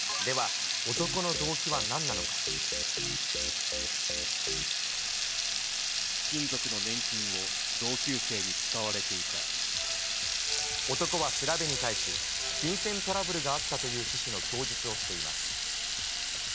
では、親族の年金を同級生に使われ男は調べに対し、金銭トラブルがあったという趣旨の供述をしています。